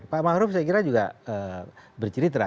pak ma'ruf saya kira juga bercerita